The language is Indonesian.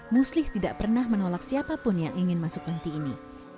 muslih tidak pernah menolak siapa pun yang ingin masuk panti ini